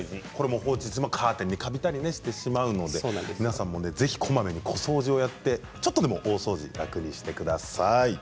カーテンがカビたりしてしまうので皆さん、こまめに小掃除をやってちょっとでも大掃除を楽にしてください。